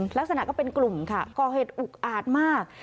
ลักษณะก็เป็นกลุ่มค่ะก่อเหตุอุกอาจมาก